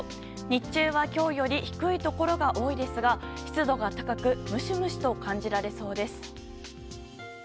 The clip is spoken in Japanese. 日中は今日より低いところが多いですが湿度が高くムシムシと感じられそうです。